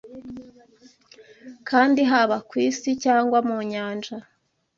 ” Kandi haba ku isi, cyangwa mu nyanja